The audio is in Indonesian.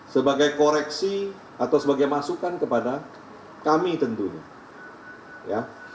sebagai koreksi atau sebagai masukan kepada kami tentunya ya